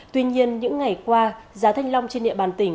tuy nhiên những ngày qua giá thanh long trên địa bàn tỉnh